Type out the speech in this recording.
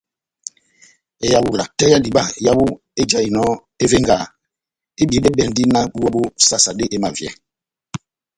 Ehawula tɛ́h ya diba yawu ejahinɔ evengaha ebiyedɛbɛndi náh búwa bó sasade emavyɛ.